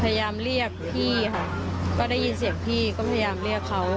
พยายามเรียกพี่ค่ะก็ได้ยินเสียงพี่ก็พยายามเรียกเขา